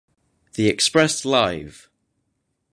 The Express Live!